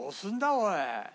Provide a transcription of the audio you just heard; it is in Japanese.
おい！